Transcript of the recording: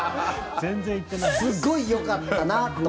すごいよかったなって。